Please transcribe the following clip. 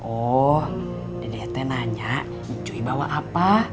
oh dedede nanya cuy bawa apa